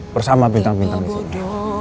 bersama bintang bintang disini